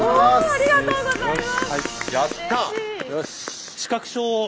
ありがとうございます。